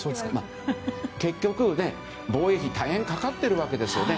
結局、防衛費が大変かかっているわけですよね。